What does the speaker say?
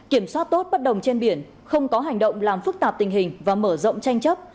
kiểm soát tốt bất đồng trên biển không có hành động làm phức tạp tình hình và mở rộng tranh chấp